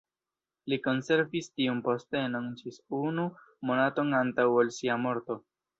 Li konservis tiun postenon ĝis unu monaton antaŭ ol sia morto.